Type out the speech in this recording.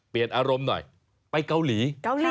เปลี่ยนอารมณ์หน่อยไปเกาหลี